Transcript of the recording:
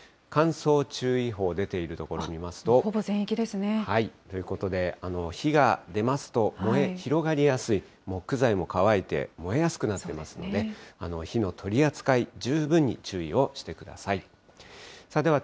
乾燥注意報出ている所を見ますと。ということで、火が出ますと燃え広がりやすい、木材も乾いて燃えやすくなってますので、火の取り扱い、十分に注意をしてください。